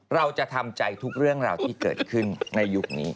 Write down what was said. เราจะทำใจทุกเรื่องราวที่เกิดขึ้นในยุคนี้